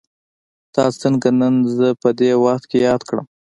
تا څنګه نن زه په دې وخت کې ياد کړم.